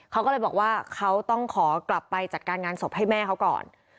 เขาก็เลยบอกว่าเขาต้องขอกลับไปจัดการงานศพให้แม่เขาก่อน